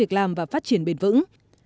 để tạo ra việc làm và phát triển bền vững